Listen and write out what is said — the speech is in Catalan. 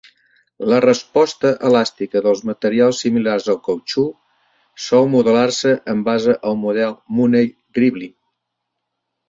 La resposta elàstica dels materials similars al cautxú sol modelar-se en base al model Mooney-Rivlin.